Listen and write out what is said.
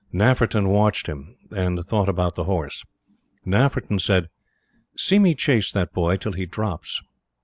Nafferton watched him, and thought about the horse. Nafferton said: "See me chase that boy till he drops!"